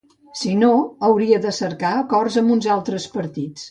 Si no, hauria de cercar acords amb uns altres partits.